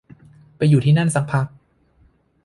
ไปอยู่ที่นั่นสักพัก